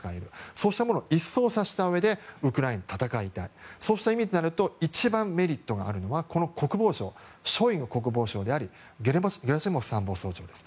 そうしたものを一掃したうえでウクライナと戦いたいそうした意味となると一番メリットがあるのはショイグ国防相でありゲラシモフ参謀総長です。